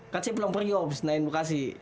kan saya pulang pergi om senayan bukasi